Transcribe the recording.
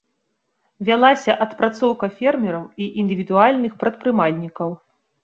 Вялася адпрацоўка фермераў і індывідуальных прадпрымальнікаў.